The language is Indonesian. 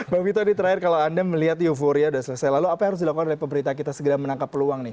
bang vito ini terakhir kalau anda melihat euforia sudah selesai lalu apa yang harus dilakukan oleh pemerintah kita segera menangkap peluang nih